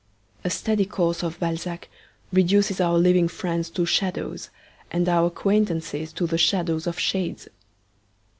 A steady course of Balzac reduces our living friends to shadows, and our acquaintances to the shadows of shades.